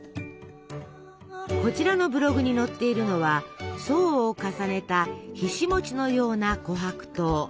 こちらのブログに載っているのは層を重ねたひし餅のような琥珀糖。